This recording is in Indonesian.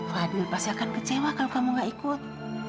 waduh pasti akan kecewa kalau kamu gak ikut